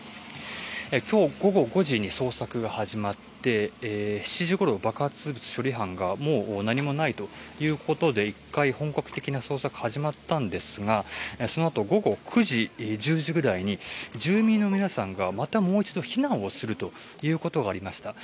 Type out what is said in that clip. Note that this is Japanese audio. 今日午後５時に捜索が始まって７時ごろ、爆発物処理班がもう何もないということで一回、本格的な捜索が始まったんですがそのあと午後９時１０時ぐらいに住民の皆さんがまたもう一度避難するということがありました。